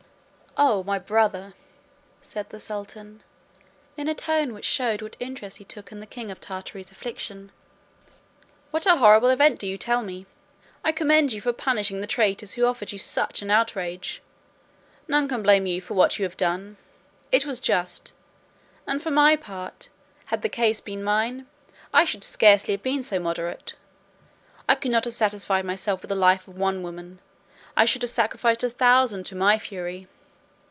"O! my brother," said the sultan, (in a tone which shewed what interest he took in the king of Tartary's affliction), "what a horrible event do you tell me! I commend you for punishing the traitors who offered you such an outrage. None can blame you for what you have done. It was just; and for my part, had the case been mine, 1 should scarcely have been so moderate. I could not have satisfied myself with the life of one woman; I should have sacrificed a thousand to my fury.